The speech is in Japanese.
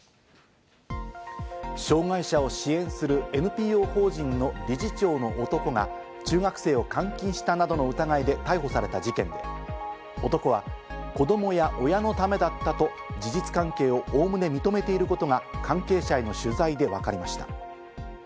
障害者を支援するＮＰＯ法人の理事長の男が中学生を監禁したなどの疑いで逮捕された事件で、男は、子供や親のためだったと事実関係を概ね認めていることが関係者への取材でわかりました。